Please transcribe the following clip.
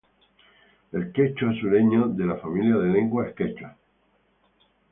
El quechua sureño: de la familia de lenguas quechuas.